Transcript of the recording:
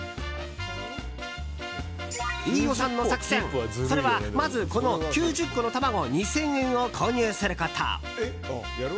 飯尾さんの作戦それはまず、この９０個の卵２０００円を購入すること。